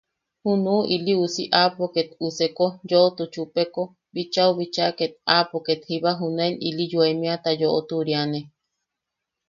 Juna ili uusi aapo ket useko yoʼotu chupeko bichau bicha ket aapo kettiba junaen ili yoemiata yoʼoturiane.